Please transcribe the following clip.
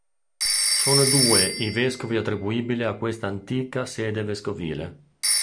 Sono due i vescovi attribuibili a questa antica sede vescovile.